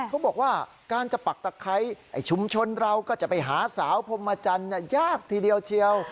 เขาบอกว่าการจะปักตะไคร้ชุมชนเราก็จะไปหาสาวพรมจันทร์ยากทีเดียวเชียว